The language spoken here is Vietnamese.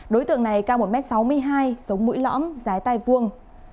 đối tượng này cao một m sáu mươi hai sống mũi lõm giái tai vuông